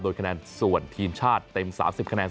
โดยคะแนนส่วนทีมชาติเต็ม๓๐คะแนน